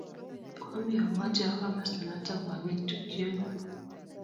Kwamii abwotii awo komasta noto paker tukcheuu